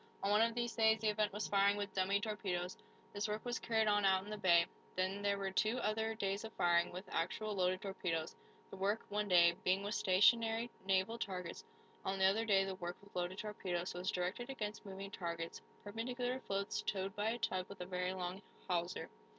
On one of these days the event was firing with "dummy" torpedoes. This work was carried on out in the bay. Then there were two other days of firing, with actual, loaded torpedoes, the work, one day, being with stationery naval targets. On the other day the work with loaded torpedoes was directed against moving targets perpendicular floats towed by a tug with a very long hawser.